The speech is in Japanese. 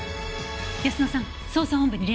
泰乃さん捜査本部に連絡して。